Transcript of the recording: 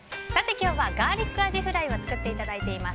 今日はガーリックアジフライを作っていただいています。